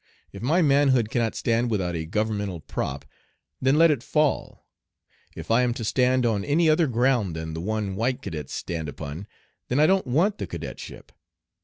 If my manhood cannot stand without a governmental prop, then let it fall. If I am to stand on any other ground than the one white cadets stand upon, then I don't want the cadetship.